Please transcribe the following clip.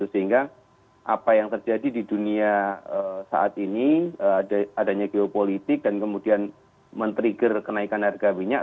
sehingga apa yang terjadi di dunia saat ini adanya geopolitik dan kemudian men trigger kenaikan harga minyak